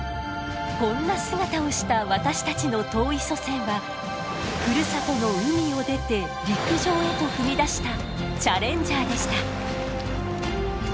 こんな姿をした私たちの遠い祖先はふるさとの海を出て陸上へと踏み出したチャレンジャーでした。